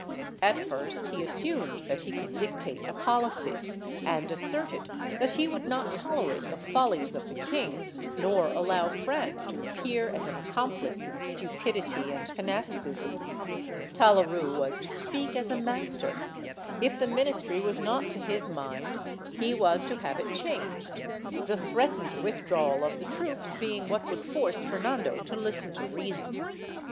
At first he assumed that he could dictate a policy, and asserted that he would not tolerate the follies of the king nor allow France to appear as an accomplice in stupidity and fanaticism. Talaru was to speak as a master; if the ministry was not to his mind, he was to have it changed, the threatened withdrawal of the troops being what would force Fernando to listen to reason.